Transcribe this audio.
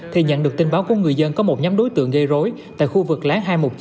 thì nhận được tin báo của người dân có một nhóm đối tượng gây rối tại khu vực láng hai trăm một mươi chín